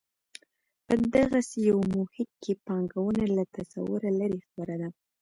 په دغسې یو محیط کې پانګونه له تصوره لرې خبره ده.